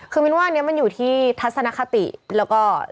คือมินว่าอันนี้มันอยู่ที่ทัศนคติแล้วก็